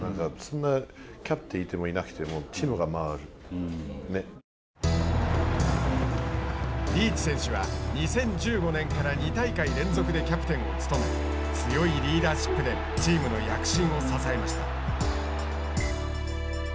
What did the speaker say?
キャプテンがいてもいなくてもリーチ選手は２０１５年から２大会連続でキャプテンを務め強いリーダーシップでチームの躍進を支えました。